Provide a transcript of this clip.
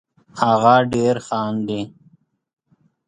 هغه ډېر خاندي